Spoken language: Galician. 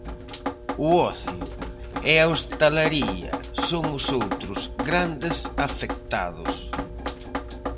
O ocio e a hostalería son os outros grandes afectados.